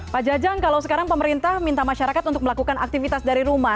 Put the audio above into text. pak jajang kalau sekarang pemerintah minta masyarakat untuk melakukan aktivitas dari rumah